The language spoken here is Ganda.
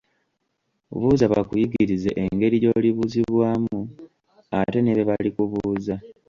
Buuza bakuyigirize engeri gy'olibuuzibwamu, ate ne bye balikubuuza.